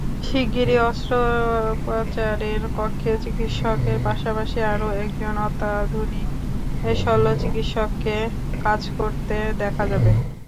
শিগগিরই অস্ত্রোপচারের কক্ষে চিকিৎসকের পাশাপাশি আরও একজন অত্যাধুনিক শল্যচিকিৎসককে কাজ করতে দেখা যাবে।